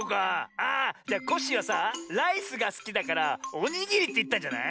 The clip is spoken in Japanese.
あじゃコッシーはさライスがすきだからおにぎりっていったんじゃない？